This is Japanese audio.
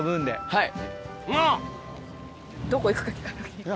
はい。